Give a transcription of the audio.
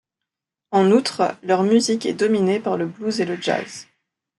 En outre, leur musique est dominée par le blues et le jazz.